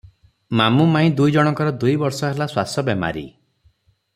ମାମୁ ମାଇଁ ଦୁଇ ଜଣଙ୍କର ଦୁଇ ବର୍ଷ ହେଲା ଶ୍ୱାସ ବେମାରୀ ।